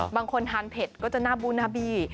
บางคนทานเผ็ดก็จะหน้าบูหน้าบี